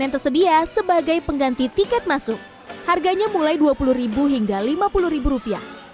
yang tersedia sebagai pengganti tiket masuk harganya mulai dua puluh hingga lima puluh rupiah